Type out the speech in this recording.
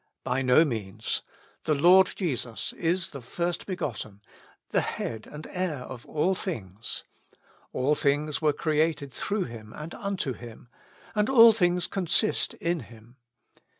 By no means. The Lord Jesus is the first begotten, the Head and Heir of all things : all things were created through Hint and imto Him, and all things consist in Him.